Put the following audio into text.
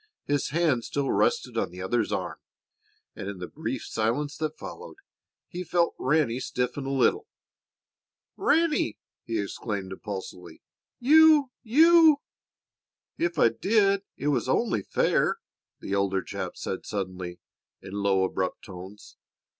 His hand still rested on the other's arm, and in the brief silence that followed he felt Ranny stiffen a little. [Illustration: "Ranny!" he exclaimed impulsively. "You you "] "If I did, it was only fair," the older chap said suddenly, in low, abrupt tones.